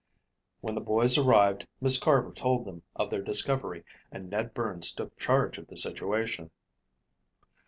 When the boys arrived, Miss Carver told them of their discovery and Ned Burns took charge of the situation.